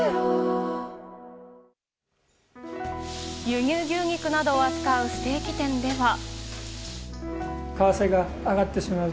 輸入牛肉などを扱うステーキ店では。